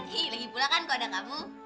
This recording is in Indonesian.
hih lagi pulang kan kalau ada kamu